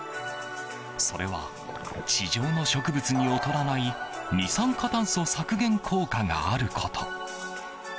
それは地上の植物に劣らない二酸化炭素削減効果があること。